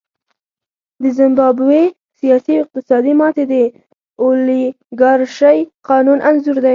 د زیمبابوې سیاسي او اقتصادي ماتې د اولیګارشۍ قانون انځور دی.